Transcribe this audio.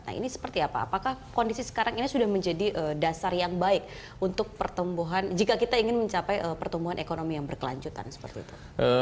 nah ini seperti apa apakah kondisi sekarang ini sudah menjadi dasar yang baik untuk pertumbuhan jika kita ingin mencapai pertumbuhan ekonomi yang berkelanjutan seperti itu